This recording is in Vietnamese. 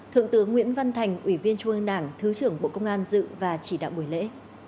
thượng tướng nguyễn văn thành ủy viên trung ương đảng thứ trưởng bộ công an dự và chỉ đạo buổi lễ